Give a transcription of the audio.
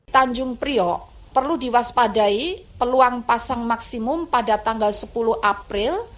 tanjung priok perlu diwaspadai peluang pasang maksimum pada tanggal sepuluh april